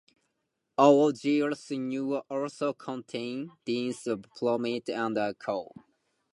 Oogonial nuclei also contain dense prominent nucleoli.